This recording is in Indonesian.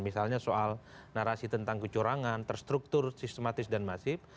misalnya soal narasi tentang kecurangan terstruktur sistematis dan masif